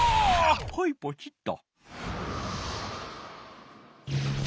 はいポチッと。